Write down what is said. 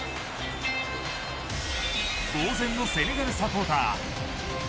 ぼう然のセネガルサポーター。